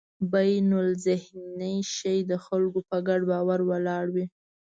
بینالذهني شی د خلکو په ګډ باور ولاړ وي.